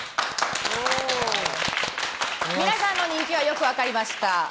皆さんの人気はよく分かりました。